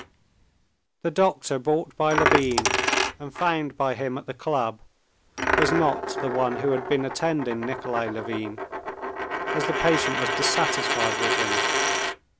The doctor brought by Levin, and found by him at the club, was not the one who had been attending Nikolay Levin, as the patient was dissatisfied with him.